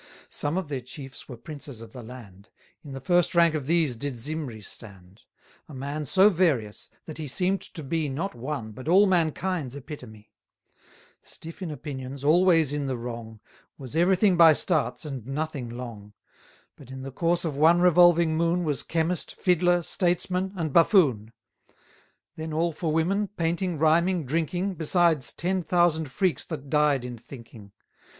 Some of their chiefs were princes of the land: In the first rank of these did Zimri stand; A man so various, that he seem'd to be Not one, but all mankind's epitome: Stiff in opinions, always in the wrong; Was everything by starts, and nothing long; But, in the course of one revolving moon, Was chemist, fiddler, statesman, and buffoon: 550 Then all for women, painting, rhyming, drinking, Besides ten thousand freaks that died in thinking.